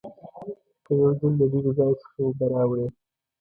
که یو ځل له لرې ځای څخه اوبه راوړې.